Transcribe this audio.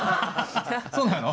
そうなの？